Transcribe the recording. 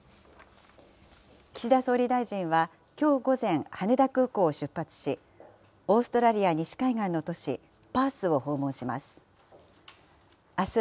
岸田総理大臣は、きょう午前、羽田空港を出発し、オーストラリア西海岸の都市、パースを訪問します。